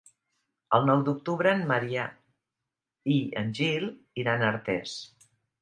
El nou d'octubre en Maria i en Gil iran a Artés.